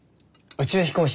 宇宙飛行士？